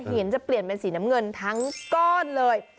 เห็นจะเปลี่ยนเป็นสีน้ำเงินทั้งก้อนเลย